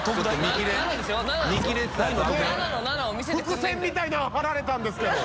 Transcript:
伏線みたいなの張られたんですけど！